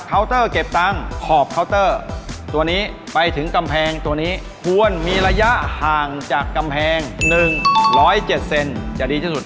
เตอร์เก็บตังค์ขอบเคาน์เตอร์ตัวนี้ไปถึงกำแพงตัวนี้ควรมีระยะห่างจากกำแพง๑๐๗เซนจะดีที่สุด